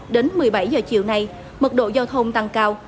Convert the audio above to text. đến một mươi bảy h chiều nay mật độ giao thông tăng cao